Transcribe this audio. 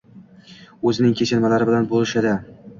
o‘zining kechinmalari bilan bo‘lishadi